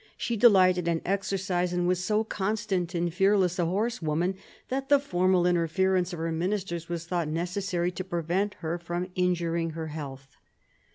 She delighted in exercise, and was so constant and fearless a' horsewoman, that the formal interference of her ministers was thought necessary, to prevent her from injuring her health.